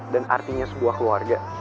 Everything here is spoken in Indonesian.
dan artinya sebuah keluarga